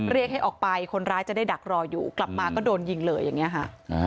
เรียกให้ออกไปคนร้ายจะได้ดักรออยู่กลับมาก็โดนยิงเลยอย่างนี้ค่ะ